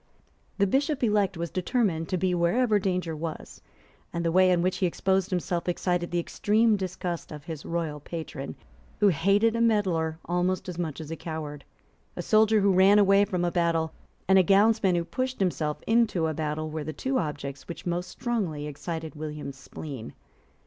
The Bishop elect was determined to be wherever danger was; and the way in which he exposed himself excited the extreme disgust of his royal patron, who hated a meddler almost as much as a coward. A soldier who ran away from a battle and a gownsman who pushed himself into a battle were the two objects which most strongly excited William's spleen.